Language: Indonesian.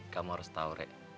hanyalah kalau ada yang lebih baik